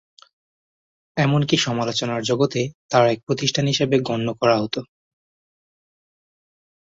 এমনকি সমালোচনার জগতে তার এক প্রতিষ্ঠান হিসাবে গণ্য করা হত।